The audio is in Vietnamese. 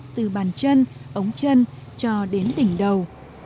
từ bàn chân ống chân cho đến đỉnh đầu